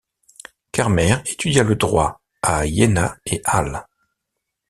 Carmer étudia le droit à Iéna et Halle.